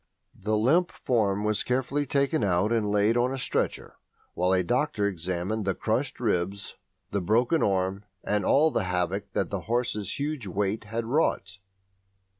The limp form was carefully taken out and laid on a stretcher while a doctor examined the crushed ribs, the broken arm, and all the havoc that the horse's huge weight had wrought.